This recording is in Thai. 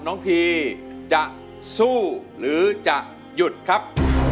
พีจะสู้หรือจะหยุดครับ